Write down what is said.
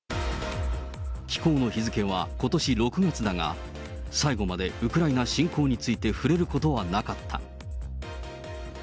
寄稿の日付はことし６月だが、最後までウクライナ侵攻について触れることはなかった。